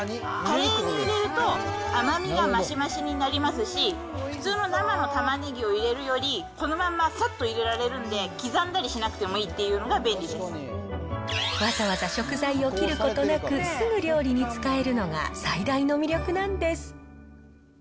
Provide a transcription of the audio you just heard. カレーに入れると、甘みが増し増しになりますし、普通の生のタマネギを入れるより、このまんまさっと入れられるんで、刻んだりしなくてもいいっていわざわざ食材を切ることなく、すぐ料理に使えるのが最大の魅力なんです。